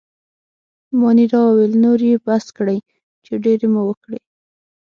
مانیرا وویل: نور يې بس کړئ، چې ډېرې مو وکړې.